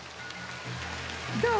どう？